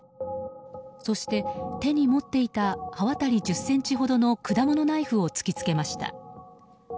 そして、手に持っていた刃渡り１０ｃｍほどの果物ナイフを突き付けました。